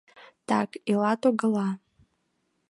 Так, илат-огыла.